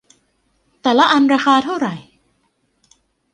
แต่ละอันราคาเท่าไหร่ ?